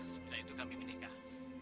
sebelah itu kami menikah